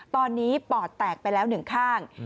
ตอนนี้ปอดแตกไปแล้ว๑ข้าง